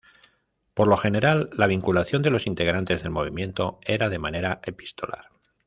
Por lo general la vinculación de los integrantes del movimiento era de manera epistolar.